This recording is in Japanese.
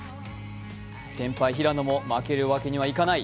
先輩・平野も負けるわけにはいかない。